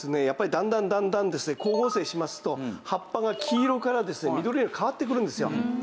やっぱりだんだんだんだん光合成しますと葉っぱが黄色から緑に変わってくるんですよ。